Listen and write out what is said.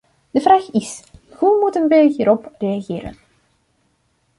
De vraag is: hoe moeten we hierop reageren?